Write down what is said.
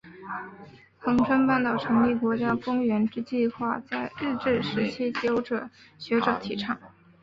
恒春半岛成立国家公园之计画在日治时期即有学者提倡。